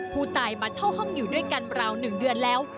ผู้ตายมาเช่าห้องอยู่ด้วยกันราว๑เดือนแล้ว